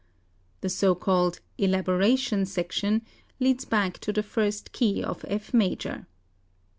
"The so called 'elaboration' section leads back to the first key of F major....